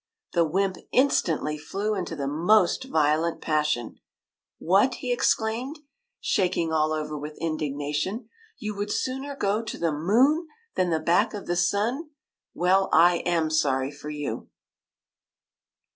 The wymp instantly flew into the most violent passion. " What !" he exclaimed, shaking all 176 THE KITE THAT over with indignation. " You would sooner go to the moon than the back of the sun ? Well, I am sorry for you."